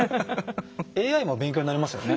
ＡＩも勉強になりますよね。